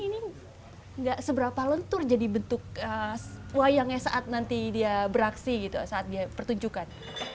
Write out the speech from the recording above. ini nggak seberapa lentur jadi bentuk wayangnya saat nanti dia beraksi gitu saat dia pertunjukan